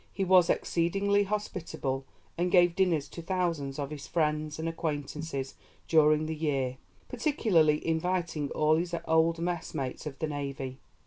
He was exceedingly hospitable, and gave dinners to thousands of his friends and acquaintances during the year, particularly inviting all his old messmates of the Navy.